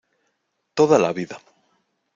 ¡ toda la vida!...